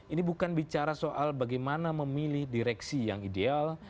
ini bukan bicara soal bagaimana memilih direksi yang ideal